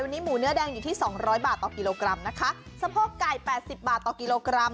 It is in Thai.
วันนี้หมูเนื้อแดงอยู่ที่สองร้อยบาทต่อกิโลกรัมนะคะสะโพกไก่แปดสิบบาทต่อกิโลกรัม